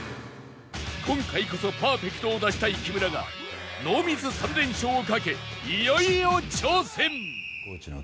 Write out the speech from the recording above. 今回こそパーフェクトを出したい木村がノーミス３連勝をかけいよいよ挑戦